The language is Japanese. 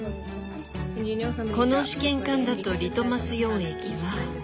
この試験管だとリトマス溶液は。